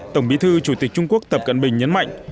tổng bí thư chủ tịch trung quốc tập cận bình nhấn mạnh